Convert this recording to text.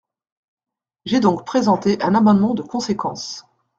J’ai donc présenté un amendement de conséquence.